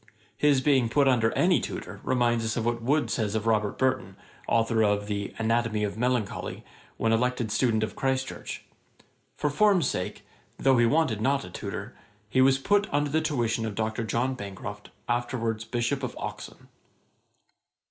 His being put under any tutor reminds us of what Wood says of Robert Burton, authour of the 'Anatomy of Melancholy,' when elected student of Christ Church: 'for form's sake, though he wanted not a tutor, he was put under the tuition of Dr. John Bancroft, afterwards Bishop of Oxon.'